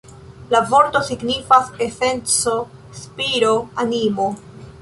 La vorto signifas "esenco, spiro, animo".